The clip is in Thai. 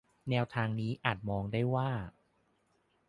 แนวทางนี้อาจมองได้ว่า